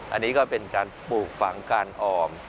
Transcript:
อันนี้ก็เป็นการปลูกฝังการออม